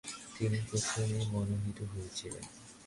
তিনি প্রথমে মনোনীত হয়েছিলেন।